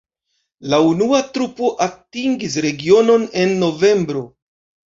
La unua trupo atingis regionon en novembro.